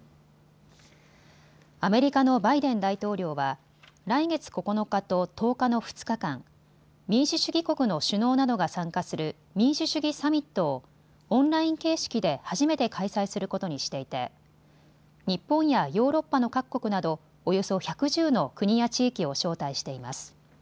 アメリカのバイデン大統領は来月９日と１０日の２日間、民主主義国の首脳などが参加する民主主義サミットをオンライン形式で初めて開催することにしていて日本やヨーロッパの各国などおよそ１１０の国や地域を招待しています。